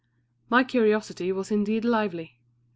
My curiosity was indeed lively.